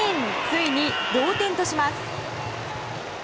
ついに同点とします。